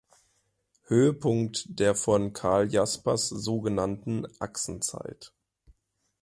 Höhepunkt der von Karl Jaspers so genannten Achsenzeit.